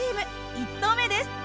１投目です。